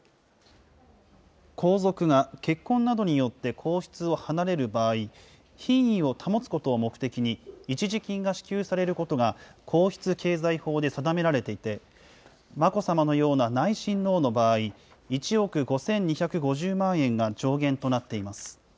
皇族が結婚などによって皇室を離れる場合、品位を保つことを目的に、一時金が支給されることが、皇室経済法で定められていて、眞子さまのような内親王の場合、１億５２５０万円が上限となっています。